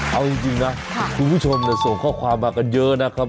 เอาจริงนะคุณผู้ชมส่งข้อความมากันเยอะนะครับ